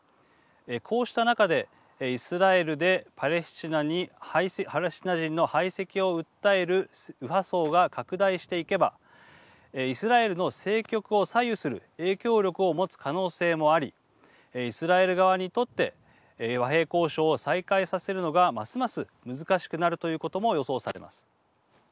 こうした中で、イスラエルでパレスチナ人の排斥を訴える右派層が拡大していけばイスラエルの政局を左右する影響力を持つ可能性もありイスラエル側にとって和平交渉を再開させるのがますます難しくなるということも予想されます。